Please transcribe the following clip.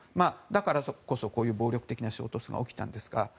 だからこそ、こういう暴力的な衝突が起きたんですが。